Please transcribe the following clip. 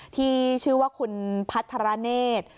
ที่ชื่อว่าคุณพัทรเนธ